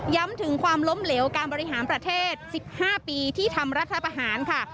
ถึงความล้มเหลวการบริหารประเทศ๑๕ปีที่ทำรัฐประหารค่ะ